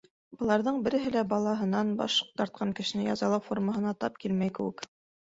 Быларҙың береһе лә балаһынан баш тартҡан кешене язалау формаһына тап килмәй кеүек.